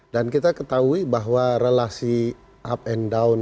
dan kita ketahui bahwa relasi up and down